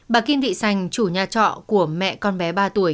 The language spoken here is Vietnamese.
bà kim thị sành chủ nhà trọ của mẹ con bé ba tuổi